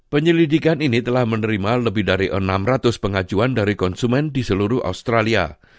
penyelidikan ini telah menerima lebih dari enam ratus pengajuan dari konsumen di seluruh australia